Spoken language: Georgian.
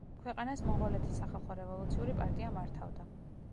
ქვეყანას მონღოლეთის სახალხო რევოლუციური პარტია მართავდა.